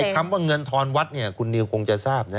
คำว่าเงินทอนวัดคุณนิวคงจะทราบนะ